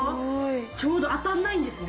ちょうど当たらないんですね